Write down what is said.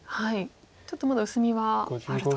ちょっとまだ薄みはあると。